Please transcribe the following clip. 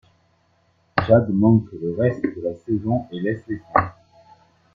Chad manque le reste de la saison et laisse les siens.